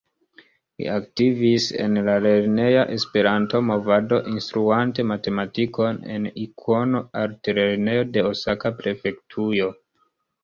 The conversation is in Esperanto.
Li aktivis en la lerneja Esperanto-movado instruante matematikon en Ikuno-Altlernejo de Osaka-prefektujo.